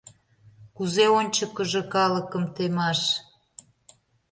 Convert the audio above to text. Кузе ончыкыжо калыкым темаш?